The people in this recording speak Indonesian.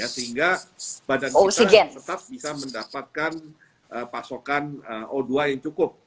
sehingga badan kita tetap bisa mendapatkan pasokan o dua yang cukup